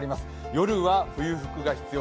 夜は冬服が必要。